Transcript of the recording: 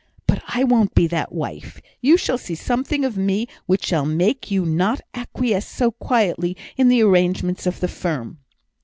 But I won't be that wife. You shall see something of me which shall make you not acquiesce so quietly in the arrangements of the firm."